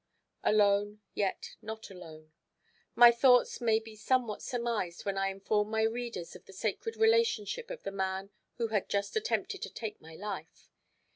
Alone, yet not alone. My thoughts may be somewhat surmised when I inform my readers of the sacred relationship of the man who had just attempted to take my life.